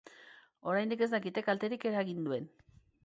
Oraindik ez dakite kalterik eragin duen.